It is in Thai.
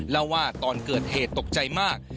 เล่าว่าตอนเกิดเหตุตกใจมาก